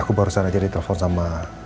aku barusan aja ditelepon sama